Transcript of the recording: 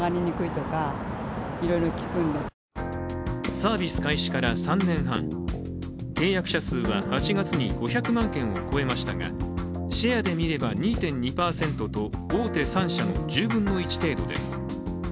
サービス開始から３年半契約者数は８月に５００万件を超えましたがシェアで見れば２．２％と大手３社の１０分の１程度です。